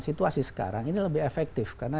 situasi sekarang ini lebih efektif karena